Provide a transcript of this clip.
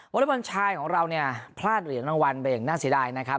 อเล็กบอลชายของเราเนี่ยพลาดเหรียญรางวัลเบรกน่าเสียดายนะครับ